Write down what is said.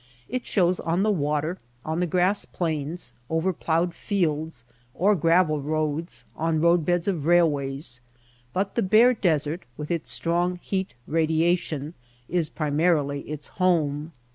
It shows on the water, on the grass plains, over ploughed fields or gravel roads, on roadbeds of railways ; but the bare desert with its strong heat radiation is pri marily its home.